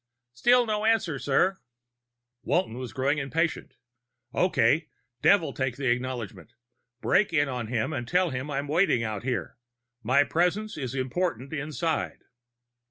"Still no answer, sir." Walton was growing impatient. "Okay, devil take the acknowledgment. Break in on him and tell him I'm waiting out here. My presence is important inside."